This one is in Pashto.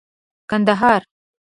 کندهار